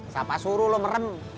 siapa suruh lo meren